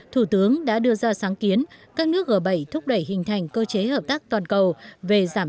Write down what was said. thủ tướng đã đưa ra sáng kiến các nước g bảy thúc đẩy hình thành cơ chế hợp tác toàn cầu về giảm